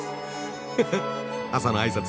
フフッ朝の挨拶。